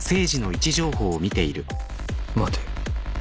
待て。